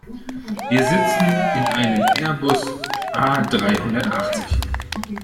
Wir sitzen in einem Airbus A-dreihundertachtzig.